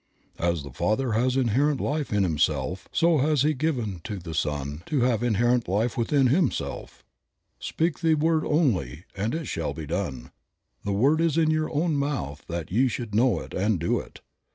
"As the Father has inherent life in himself, so has he given to the Son to have inherent life within himself. " "Speak the word only and it shall be done." "The word is in your own mouth that ye should know it and do it."